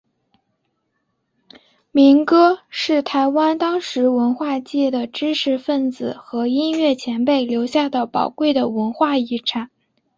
民歌是台湾当时文化界的知识份子和音乐前辈留下的宝贵的文化遗产。